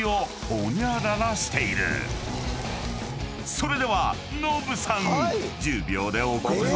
［それではノブさん１０秒でお答えください］